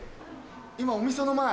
今お店の前。